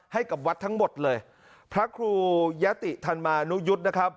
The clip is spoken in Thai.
ให้กับวัดทั้งหมดเลยพระครูยะติธรรมานุยุทธ์นะครับ